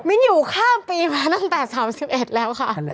อยู่ข้ามปีมาตั้งแต่๓๑แล้วค่ะ